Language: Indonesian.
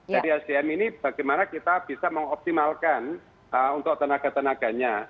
jadi sdm ini bagaimana kita bisa mengoptimalkan untuk tenaga tenaganya